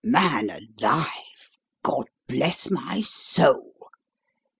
"Man alive! God bless my soul!